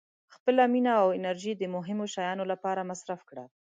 • خپله مینه او انرژي د مهمو شیانو لپاره مصرف کړه.